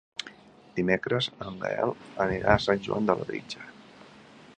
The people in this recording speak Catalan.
Dimecres en Gaël anirà a Sant Joan de Labritja.